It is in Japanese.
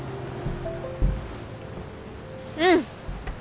うん。